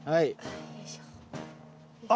よいしょ。